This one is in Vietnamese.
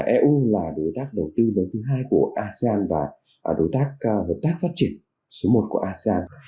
eu là đối tác đầu tư lớn thứ hai của asean và đối tác hợp tác phát triển số một của asean